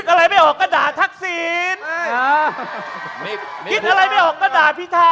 บ๊วยบ๊วยคิดอะไรไม่ออกก็ด่าทักษีนคิดอะไรไม่ออกก็ด่าพิทา